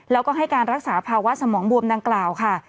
แล้วก็ให้การรักษาภาวะสมองบวมดังกล่าวค่ะ